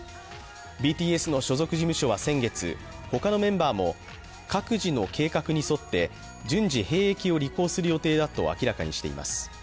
ＢＴＳの所属事務所は先月他のメンバーも各自の計画に沿って順次兵役を履行する予定だと明らかにしています。